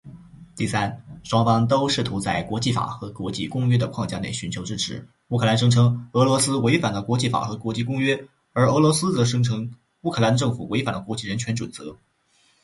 第三，双方都试图在国际法和国际公约的框架内寻求支持。乌克兰声称俄罗斯违反了国际法和国际公约，而俄罗斯则声称乌克兰政府违反了国际人权准则。